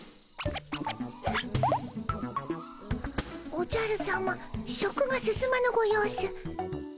おじゃるさま食が進まぬご様子。